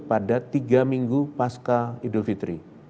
pada tiga minggu pasca idul fitri